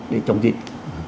để chống dịch